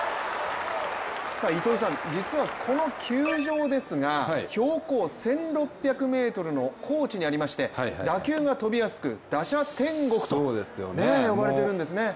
糸井さん、実はこの球場ですが標高１６００ｍの高地にありまして打球が飛びやすく、打者天国と呼ばれてるんですね。